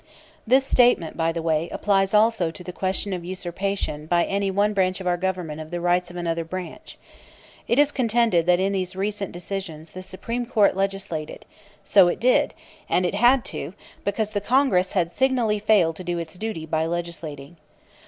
This statement, by the way, applies also to the question of "usurpation" by any one branch of our Government of the rights of another branch. It is contended that in these recent decisions the Supreme Court legislated; so it did; and it had to; because Congress had signally failed to do its duty by legislating.